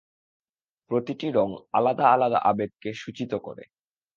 প্রতিটি রং আলাদা আলাদা আবেগকে সূচিত করে।